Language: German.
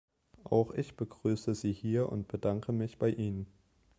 Auch ich begrüße Sie hier und bedanke mich bei Ihnen.